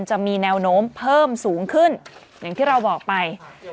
จะมีแนวโน้มเพิ่มสูงขึ้นอย่างที่เราบอกไป